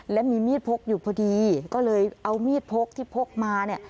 และมีมีดพกอยู่พอดีก็เลยเอามีดพกที่พกมาเนี่ย